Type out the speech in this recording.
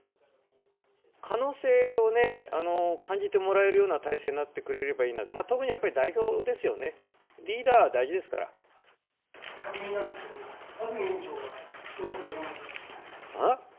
可能性をね、感じてもらえるような体制になってくれればいいなと、特にやっぱり代表ですよね、確認なんですけど、あ？